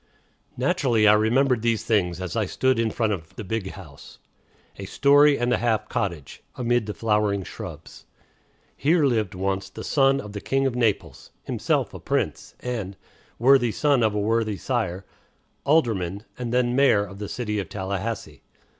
Naturally, I remembered these things as I stood in front of "the big house" a story and a half cottage amid the flowering shrubs. Here lived once the son of the King of Naples; himself a Prince, and worthy son of a worthy sire alderman and then mayor of the city of Tallahassee.